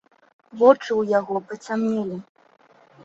Вочы ў яго пацямнелі.